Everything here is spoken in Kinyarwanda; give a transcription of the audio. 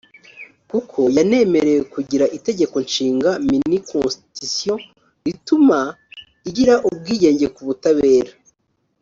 kuko yanemerewe kugira Itegeko Nshinga (mini-constitution) rituma igira ubwigenge ku butabera